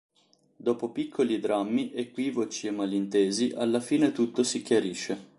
Dopo piccoli drammi, equivoci e malintesi, alla fine tutto si chiarisce.